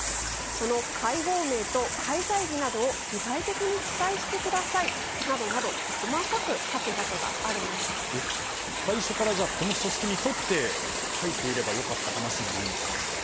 その会合名と、開催日など具体的に記載してくださいなど最初から、この書式に沿って書いていれば良かった話じゃないんですか。